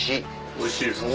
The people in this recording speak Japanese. おいしいですか。